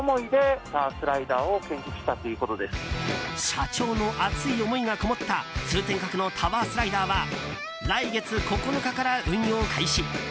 社長の熱い思いがこもった通天閣のＴＯＷＥＲＳＬＩＤＥＲは来月９日から運用開始。